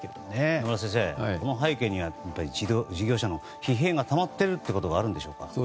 野村先生、この背景には事業者の疲弊がたまっていることがあるんでしょうか。